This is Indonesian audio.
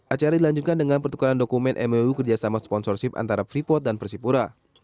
acara dilanjutkan dengan pertukaran dokumen mwu kerjasama sponsorship antara freeport dan persipura